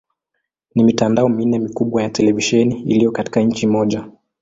Ni mitandao minne mikubwa ya televisheni iliyo katika nchi moja.